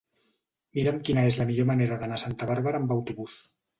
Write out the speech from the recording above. Mira'm quina és la millor manera d'anar a Santa Bàrbara amb autobús.